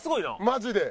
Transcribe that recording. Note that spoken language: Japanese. マジで。